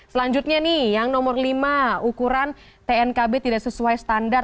selanjutnya nih yang nomor lima ukuran tnkb tidak sesuai standar